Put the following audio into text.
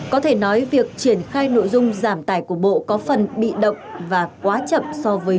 có thể nói việc triển khai nội dung giảm tải của bộ có phần bị động và quá chậm so với không thời gian